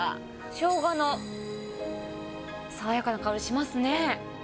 しょうがの爽やかな香りしますね。